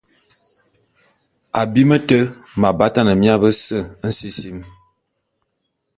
Abim té m’abatane mia bese nsisim.